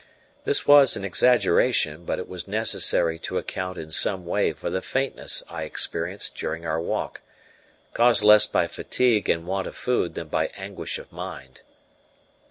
This was an exaggeration, but it was necessary to account in some way for the faintness I experienced during our walk, caused less by fatigue and want of food than by anguish of mind.